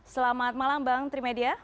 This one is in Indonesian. selamat malam bang trimedia